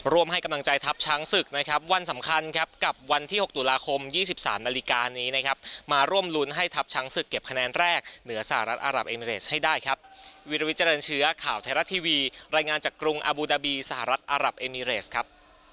ร่วมให้กำลังใจทัพช้างสึกนะครับวันสำคัญกับวันที่๖ตุลาคม๒๓นาฬิกานี้มาร่วมรุนให้ทัพช้างสึกเก็บคะแนนแรกเหนือสหรัฐอารับเอมิเรสให้ได้ครับ